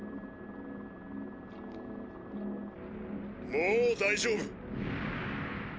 もう大丈夫。